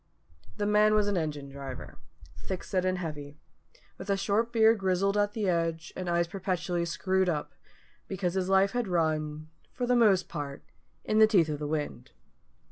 _" The man was an engine driver, thick set and heavy, with a short beard grizzled at the edge, and eyes perpetually screwed up, because his life had run for the most part in the teeth of the wind.